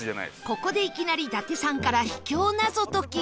ここでいきなり伊達さんから秘境謎解き